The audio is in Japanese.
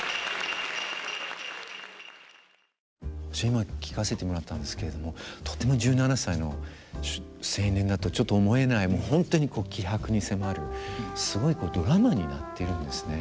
今聴かせてもらったんですけれどもとても１７歳の青年だとちょっと思えない本当に気迫に迫るすごいドラマになってるんですね。